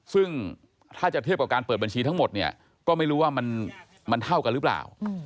ซึ่งถ้าจะเทียบกับการเปิดบัญชีทั้งหมดเนี่ยก็ไม่รู้ว่ามันเท่ากันหรือเปล่า